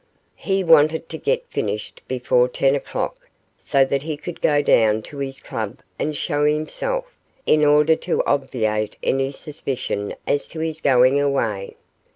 He wanted to get finished before ten o'clock, so that he could go down to his club and show himself, in order to obviate any suspicion as to his going away.